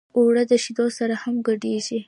اوړه د شیدو سره هم ګډېږي